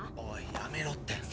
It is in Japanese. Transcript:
おいやめろって。